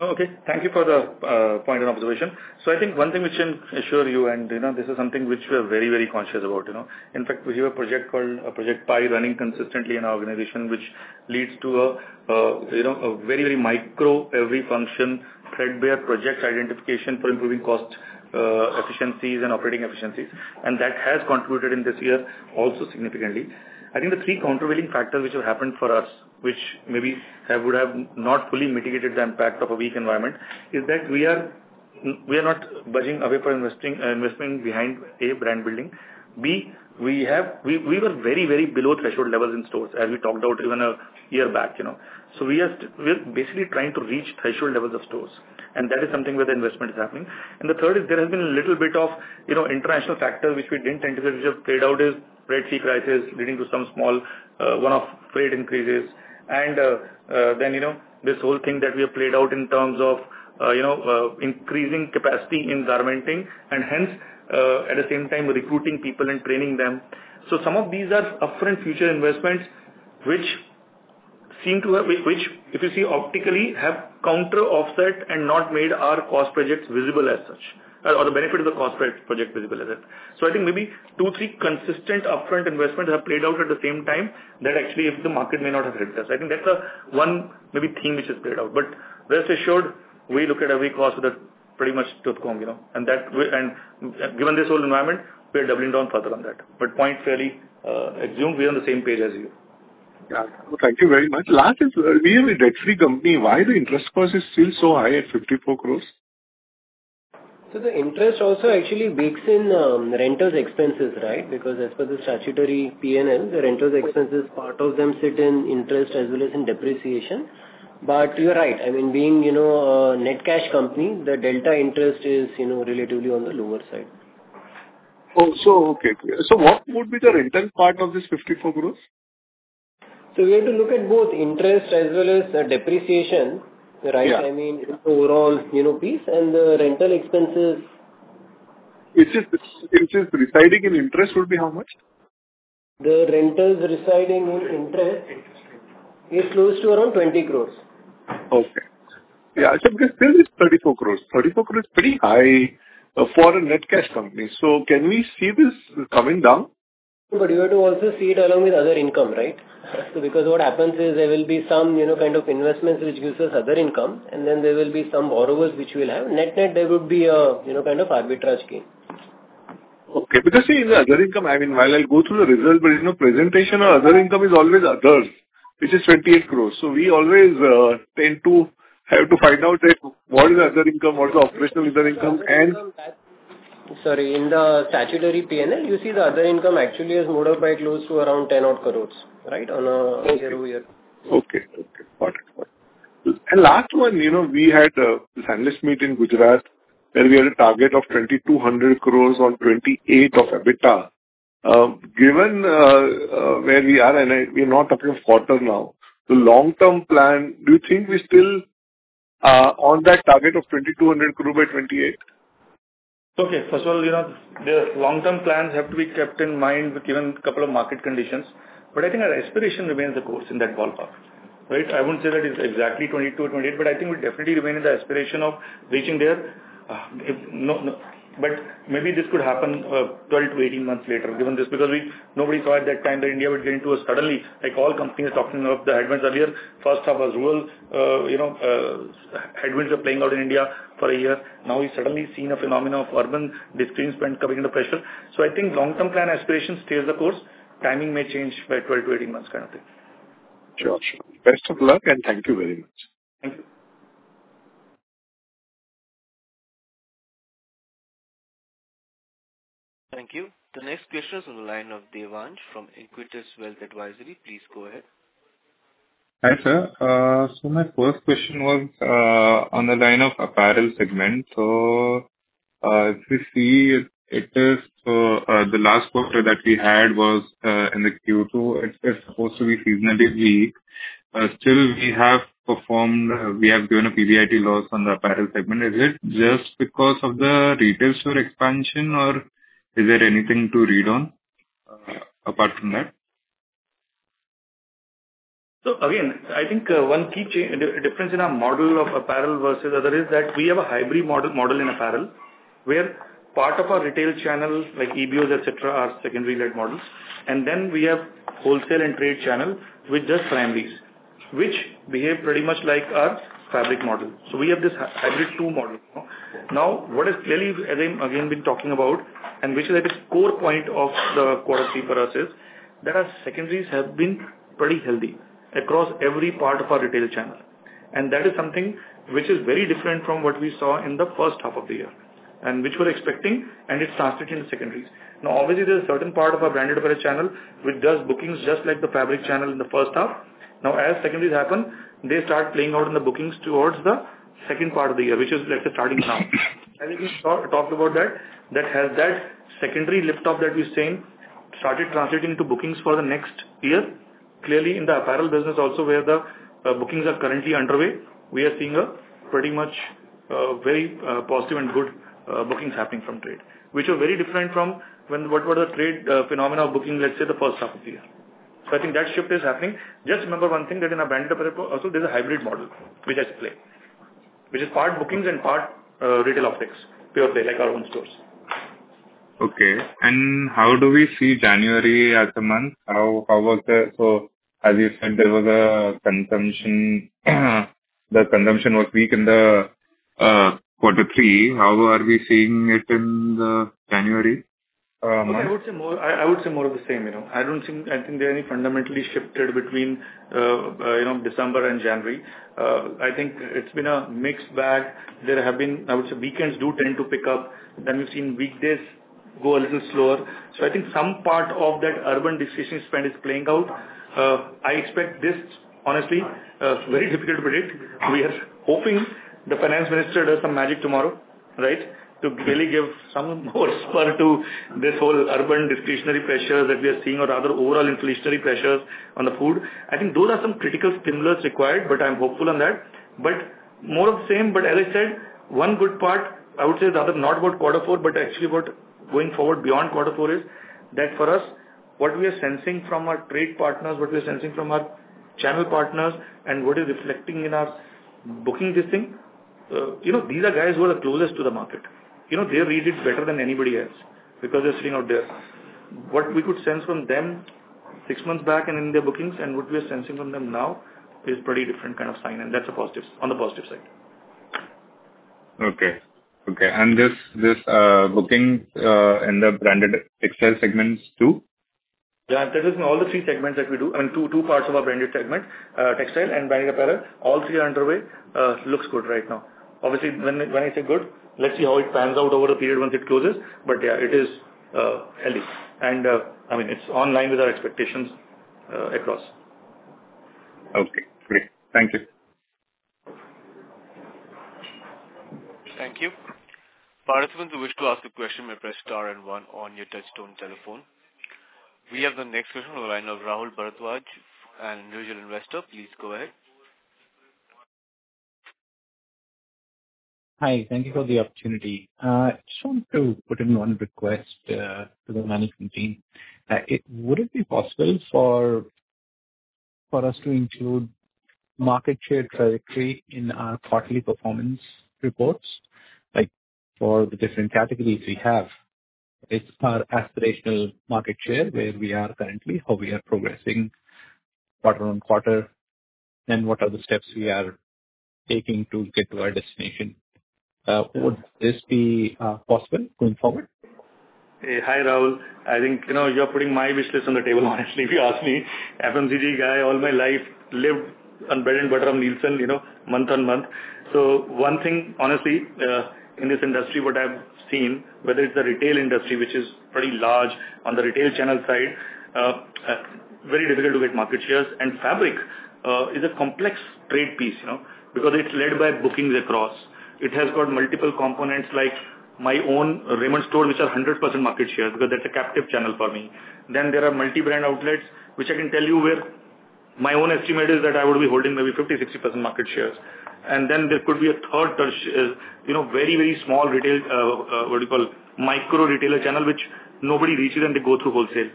Okay. Thank you for the point and observation. So I think one thing which can assure you, and this is something which we are very, very conscious about. In fact, we have a project called Project PI running consistently in our organization, which leads to a very, very micro every function threadbare project identification for improving cost efficiencies and operating efficiencies. And that has contributed in this year also significantly. I think the three countervailing factors which have happened for us, which maybe would have not fully mitigated the impact of a weak environment, is that we are not budging away from investing behind A, brand building. B, we were very, very below threshold levels in stores, as we talked about even a year back. So we are basically trying to reach threshold levels of stores. And that is something where the investment is happening. And the third is there has been a little bit of an international factor, which we didn't anticipate, which has played out as the Red Sea crisis leading to some small one-off trade increases. And then this whole thing that we have played out in terms of increasing capacity in garmenting and hence, at the same time, recruiting people and training them. So some of these are upfront future investments which seem to have, which if you see optically, have counter-offset and not made our cost projects visible as such, or the benefit of the cost project visible as such. So I think maybe two, three consistent upfront investments have played out at the same time that actually the market may not have helped us. I think that's one maybe theme which has played out. But rest assured, we look at every cost with a fine-tooth comb. And given this whole environment, we are doubling down further on that. But, point fairly assumed, we are on the same page as you. Thank you very much. Last is, we have a debt-free company. Why is the interest cost still so high at 54 crores? So the interest also actually bakes in renters' expenses, right? Because as per the statutory P&L, the renters' expenses, part of them sit in interest as well as in depreciation. But you're right. I mean, being a net cash company, the delta interest is relatively on the lower side. Oh, so okay. So what would be the rental part of this 54 crores? So we have to look at both interest as well as depreciation, right? I mean, overall P&L and the rental expenses. Which is residing in interest, would be how much? The rent expense is close to around INR 20 crores. Okay. Yeah. So because it's still 34 crores. 34 crores is pretty high for a net cash company. So can we see this coming down? But you have to also see it along with other income, right? Because what happens is there will be some kind of investments which gives us other income, and then there will be some borrowers which will have net net, there would be a kind of arbitrage gain. Okay. Because see, in the other income, I mean, while I'll go through the result, but presentation of other income is always others, which is 28 crores, so we always tend to have to find out what is the other income, what is the operational other income, and. Sorry. In the statutory P&L, you see the other income actually is moved up by close to around 10-odd crores, right, on a year over year. Okay. Got it. And last one, we had this analyst meet in Gujarat where we had a target of 2,200 crores of EBITDA by 28. Given where we are, and we are not talking of quarter now, the long-term plan, do you think we're still on that target of 2,200 crores by 28? Okay. First of all, the long-term plans have to be kept in mind with even a couple of market conditions. But I think our aspiration remains on course in that ballpark, right? I wouldn't say that it's exactly 22 or 28, but I think we definitely remain in the aspiration of reaching there. But maybe this could happen 12 months to 18 months later given this because nobody thought at that time that India would get into a suddenly, like all companies talking about the headwinds earlier, first half was rural. Headwinds were playing out in India for a year. Now we suddenly see a phenomenon of urban discretionary spend coming under pressure. So I think long-term plan aspiration stays the course. Timing may change by 12 months to 18 months kind of thing. Sure. Sure. Best of luck and thank you very much. Thank you. Thank you. The next question is on the line of Devang from Invictus Wealth Advisory. Please go ahead. Hi, sir. So my first question was on the line of Apparel segment. So if we see, it is the last quarter that we had was in the Q2. It's supposed to be seasonally weak. Still, we have performed. We have given a PBIT loss on the Apparel segment. Is it just because of the retail store expansion, or is there anything to read on apart from that? So again, I think one key difference in our model of apparel versus others is that we have a hybrid model in apparel where part of our retail channel, like EBOs, etc., are secondary-led models. And then we have wholesale and trade channel with just primaries, which behave pretty much like our fabric model. So we have this hybrid two model. Now, what has clearly, again, been talking about, and which is at its core point of the quarter three for us, is that our secondaries have been pretty healthy across every part of our retail channel. And that is something which is very different from what we saw in the first half of the year, and which we're expecting, and it's constituting the secondaries. Now, obviously, there's a certain part of our branded channel which does bookings just like the fabric channel in the first half. Now, as secondaries happen, they start playing out in the bookings towards the second part of the year, which is starting now. As we talked about that, that has that secondary lift-off that we're seeing started translating into bookings for the next year. Clearly, in the apparel business also, where the bookings are currently underway, we are seeing pretty much very positive and good bookings happening from trade, which are very different from what were the trade phenomena of booking, let's say, the first half of the year. So I think that shift is happening. Just remember one thing that in a branded apparel also, there's a hybrid model which has played, which is part bookings and part retail optics, pure play, like our own stores. Okay. And how do we see January as a month? How was it, so as you said, there was a consumption. The consumption was weak in the quarter three. How are we seeing it in the January month? I would say more of the same. I don't think there are any fundamental shifts between December and January. I think it's been a mixed bag. There have been, I would say, weekends do tend to pick up. Then we've seen weekdays go a little slower. So I think some part of that urban discretionary spend is playing out. I expect this, honestly, very difficult to predict. We are hoping the finance minister does some magic tomorrow, right, to really give some more spur to this whole urban discretionary pressure that we are seeing or other overall inflationary pressures on the food. I think those are some critical stimulus required, but I'm hopeful on that. But more of the same. But as I said, one good part, I would say, rather not about quarter four, but actually about going forward beyond quarter four is that for us, what we are sensing from our trade partners, what we are sensing from our channel partners, and what is reflecting in our booking this thing. These are guys who are the closest to the market. They read it better than anybody else because they're sitting out there. What we could sense from them six months back and in their bookings and what we are sensing from them now is a pretty different kind of sign. And that's a positive on the positive side. Okay. Okay. And this booking in the branded textile segments too? Yeah. All the three segments that we do, I mean, two parts of our branded segment, textile and branded apparel, all three are underway, looks good right now. Obviously, when I say good, let's see how it pans out over the period once it closes. But yeah, it is healthy. And I mean, it's in line with our expectations across. Okay. Great. Thank you. Thank you. Participants who wish to ask a question may press star and one on your touch-tone telephone. We have the next question from the line of Rahul Bharathwaj, an individual investor. Please go ahead. Hi. Thank you for the opportunity. I just want to put in one request to the management team. Would it be possible for us to include market share trajectory in our quarterly performance reports for the different categories we have? It's our aspirational market share where we are currently, how we are progressing quarter-on-quarter, and what are the steps we are taking to get to our destination. Would this be possible going forward? Hey, hi Rahul. I think you're putting my wish list on the table, honestly. If you ask me, FMCG guy, all my life lived on bread and butter of Nielsen month on month, so one thing, honestly, in this industry, what I've seen, whether it's the retail industry, which is pretty large on the retail channel side, very difficult to get market shares, and fabric is a complex trade piece because it's led by bookings across, it has got multiple components like my own Raymond store, which are 100% market shares because that's a captive channel for me, then there are multi-brand outlets, which I can tell you where my own estimate is that I would be holding maybe 50% to 60% market shares, and then there could be a third share, very, very small retail, what do you call, micro retailer channel, which nobody reaches, and they go through wholesale.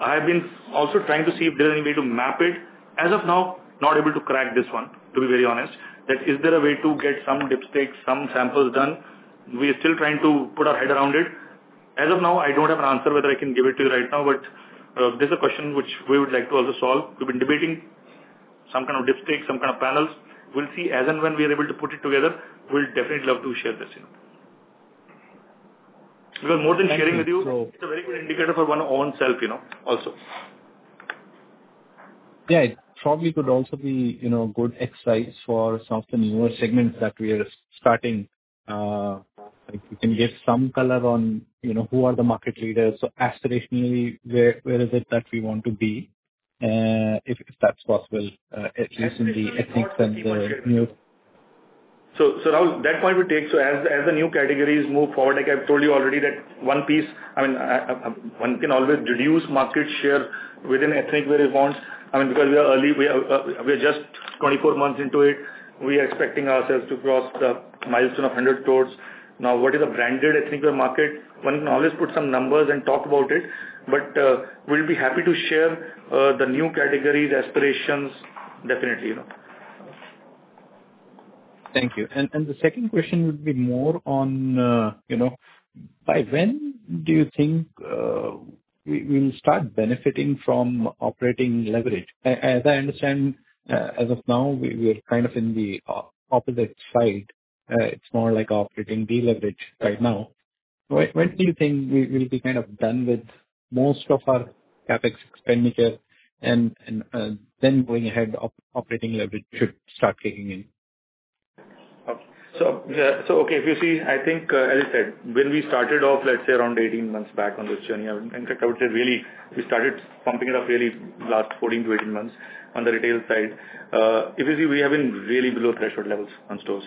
I have been also trying to see if there's any way to map it. As of now, not able to crack this one, to be very honest. Is there a way to get some dipsticks, some samples done? We are still trying to put our head around it. As of now, I don't have an answer whether I can give it to you right now, but this is a question which we would like to also solve. We've been debating some kind of dipsticks, some kind of panels. We'll see as and when we are able to put it together, we'll definitely love to share this. Because more than sharing with you, it's a very good indicator for one's own self also. Yeah. It probably could also be a good exercise for some of the newer segments that we are starting. You can get some color on who are the market leaders. So aspirationally, where is it that we want to be if that's possible, at least in the ethnics and the new? So, that point would take so as the new categories move forward, like I've told you already that one piece. I mean, one can always deduce market share within ethnic where it wants. I mean, because we are early, we are just 24 months into it. We are expecting ourselves to cross the milestone of 100 stores. Now, what is a branded ethnic market? One can always put some numbers and talk about it, but we'll be happy to share the new categories' aspirations, definitely. Thank you. And the second question would be more on by when do you think we will start benefiting from operating leverage? As I understand, as of now, we are kind of in the opposite side. It's more like operating deleverage right now. When do you think we will be kind of done with most of our CapEx expenditure and then going ahead, operating leverage should start kicking in? Okay. So, okay. If you see, I think, as I said, when we started off, let's say, around 18 months back on this journey, in fact, I would say really we started pumping it up really last 14 to 18 months on the retail side. If you see, we have been really below threshold levels on stores.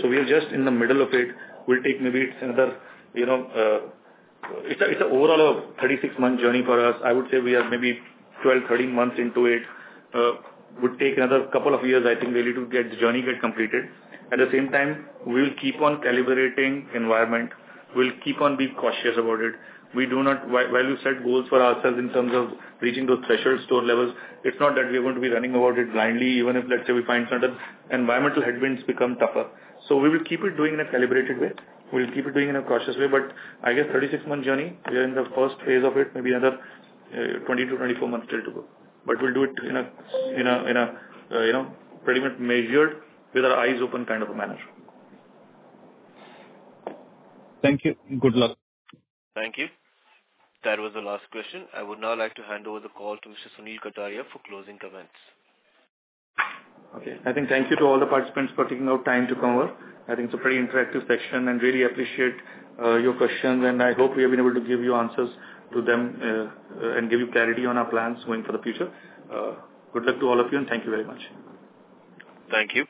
So we are just in the middle of it. We'll take maybe it's another it's overall a 36-month journey for us. I would say we are maybe 12 months, 13 months into it. It would take another couple of years, I think, really to get the journey completed. At the same time, we will keep on calibrating the environment. We'll keep on being cautious about it. We do not, while we set goals for ourselves in terms of reaching those threshold store levels, it's not that we are going to be running about it blindly, even if, let's say, we find some environmental headwinds become tougher. So we will keep it doing in a calibrated way. We'll keep it doing in a cautious way. But I guess 36-month journey, we are in the first phase of it, maybe another 20 months to 24 months still to go. But we'll do it in a pretty much measured, with our eyes open kind of a manner. Thank you. Good luck. Thank you. That was the last question. I would now like to hand over the call to Mr. Sunil Kataria for closing comments. Okay. I think, thank you to all the participants for taking out time to connect. I think it's a pretty interactive session, and really appreciate your questions. I hope we have been able to give you answers to them and give you clarity on our plans going for the future. Good luck to all of you, and thank you very much. Thank you.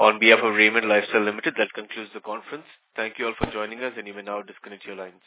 On behalf of Raymond Lifestyle Limited, that concludes the conference. Thank you all for joining us, and you may now disconnect your lines.